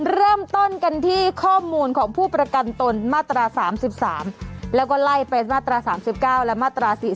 เริ่มต้นกันที่ข้อมูลของผู้ประกันตนมาตรา๓๓แล้วก็ไล่ไปมาตรา๓๙และมาตรา๔๔